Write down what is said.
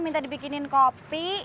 minta dibikinin kopi